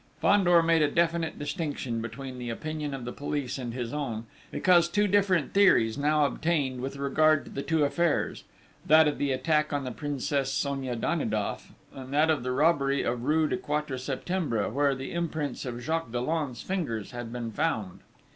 Fandor made a definite distinction between the opinion of the police and his own, because two different theories now obtained with regard to the two affairs: that of the attack on the Princess Sonia Danidoff, and that of the robbery of rue du Quatre Septembre, where the imprints of Jacques Dollon's fingers had been found.